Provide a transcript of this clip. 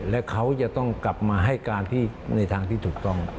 และเขาจะต้องกลับมาให้การในทางที่ถูกต้อง